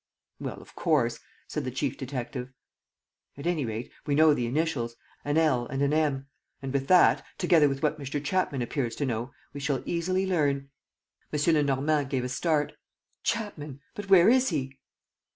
"Well, of course!" said the chief detective. "At any rate, we know the initials: an L and an M. And with that, together with what Mr. Chapman appears to know, we shall easily learn. ..." M. Lenormand gave a start: "Chapman! But where is he?"